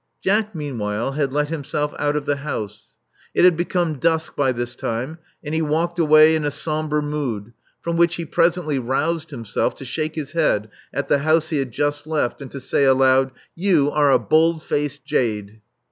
Jack, meanwhile, had let himself out of the house. It had become dusk by this time; and he walked away in a sombre mood, from which he presently roused himself to shake his head at the house he had just left, and to say aloud, You are a bold faced jade.